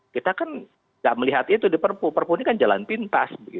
kita kan tidak melihat itu di perpu perpu ini kan jalan pintas